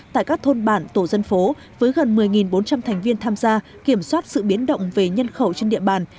tại các thôn bản tổ dân phố với gần một mươi bốn trăm linh thành viên tham gia kiểm soát sự biến động về nhân khẩu trên địa bàn